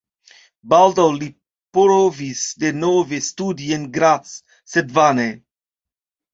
Baldaŭ li provis denove studi en Graz, sed vane.